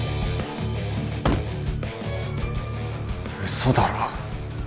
・嘘だろ。